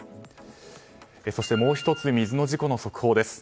そしてもう１つ水の事故の速報です。